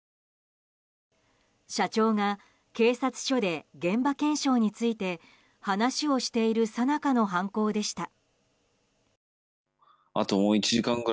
社長が警察署で現場検証について話をしているさなかの犯行でした。